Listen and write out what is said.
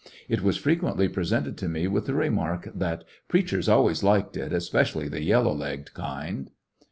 It was fre quently presented to me with the remark that "preachers always liked it, especially the yellow legged kind."